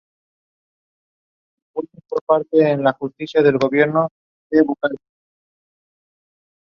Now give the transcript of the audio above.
Además de su obra musical, estaba activo en la administración general de la catedral.